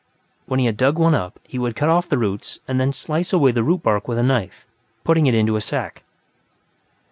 When he had dug one up, he would cut off the roots and then slice away the root bark with a knife, putting it into a sack.